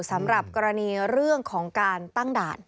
สำหรับกรณีเรื่องของการตั้งด่าน